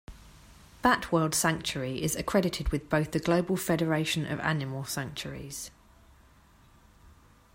Bat World Sanctuary is accredited with both the Global Federation of Animal Sanctuaries.